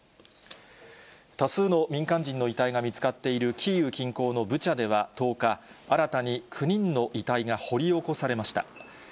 多数の民間人の遺体が見つかっているキーウ近郊のブチャでは１０日、新たに９人の遺体が掘り起こされました。